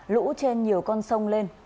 lũ trên nhiều con sông lên